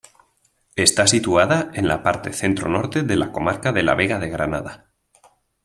Está situada en la parte centro-norte de la comarca de la Vega de Granada.